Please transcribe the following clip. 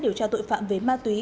điều tra tội phạm về ma túy